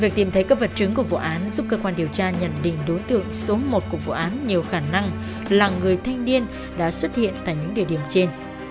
việc tìm thấy các vật chứng của vụ án giúp cơ quan điều tra nhận định đối tượng số một của vụ án nhiều khả năng là người thanh niên đã xuất hiện tại những địa điểm trên